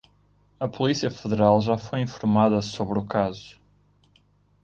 A polícia federal já foi informada sobre o caso